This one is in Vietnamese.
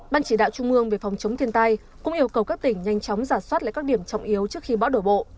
ban chỉ đạo trung ương về phòng chống thiên tai cũng yêu cầu các tỉnh nhanh chóng giả soát lại các điểm trọng yếu trước khi bão đổ bộ